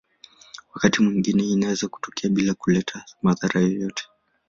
Wakati mwingine inaweza kutokea bila kuleta madhara yoyote.